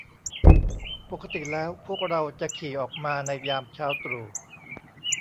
ปกติแล้วพวกเราจะขี่ออกมาในยามเช้าตรู่